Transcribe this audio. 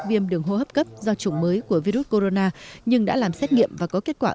viêm đường hô hấp cấp do chủng mới của virus corona nhưng đã làm xét nghiệm và có kết quả